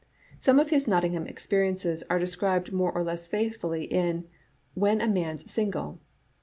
Some of his Nottingham experiences are described more or less faithfully in "When a Man's Single."